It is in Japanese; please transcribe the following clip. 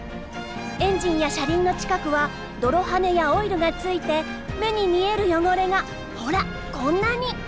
エンジンや車輪の近くは泥はねやオイルがついて目に見える汚れがほらこんなに！